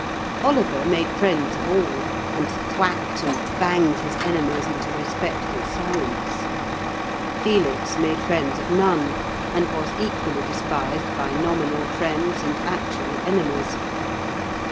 Oliver made friends of all, and thwacked and banged his enemies into respectful silence. Felix made friends of none, and was equally despised by nominal friends and actual enemies.